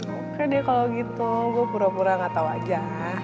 oke dia kalau gitu gue pura pura gak tau aja